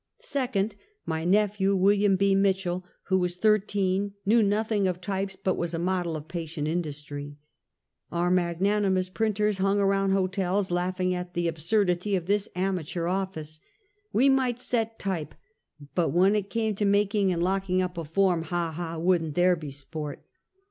Second, my nephew, William B. Mitchell, who was thirteen, knew nothing of types, but was a model of patient industry. Our magnanimous printers hung around hotels, laughing at the absurdity of this amateur office. We might set type, but when it came to making and lock ing up a form, ha, ha, would n't there be sport?